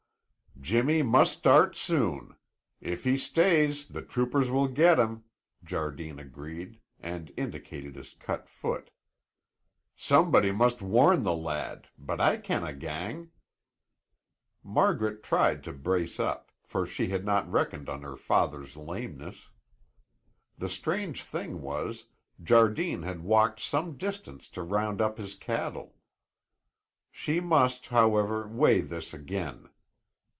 "Jimmy must start soon. If he stays, the troopers will get him," Jardine agreed, and indicated his cut foot. "Somebody must warn the lad, but I canna gang." Margaret tried to brace up, for she had not reckoned on her father's lameness. The strange thing was, Jardine had walked some distance to round up his cattle. She must, however, weigh this again.